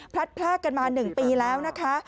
พลากกันมา๑ปีแล้วนะคะ